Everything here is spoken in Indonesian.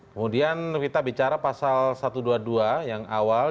kemudian kita bicara pasal satu ratus dua puluh dua yang awal